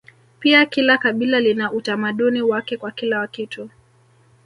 Pia kila kabila lina utamaduni wake kwa kila kitu